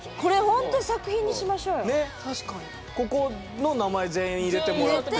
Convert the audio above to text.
ここの名前全員入れてもらって。